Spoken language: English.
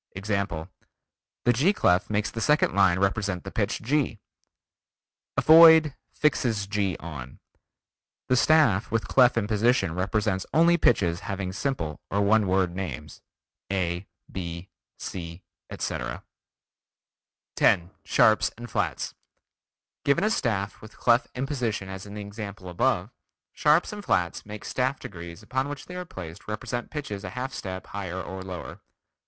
Example: The G clef makes the second line represent the pitch G. Avoid "fixes G on." The staff with clef in position represents only pitches having simple or one word names, A, B, C, etc. 10. Sharps, Flats: Given a staff with clef in position as in example above, sharps and flats make staff degrees upon which they are placed represent pitches a half step higher or lower.